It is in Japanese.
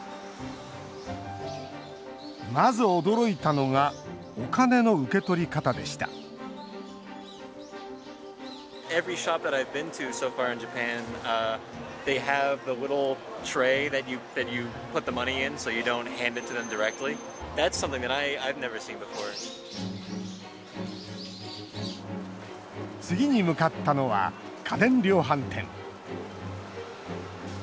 まず驚いたのがお金の受け取り方でした次に向かったのは家電量販店。